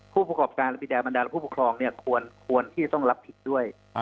ผู้ประกอบการและบิดาบรรดาและผู้ปกครองเนี่ยควรที่จะต้องรับผิดด้วย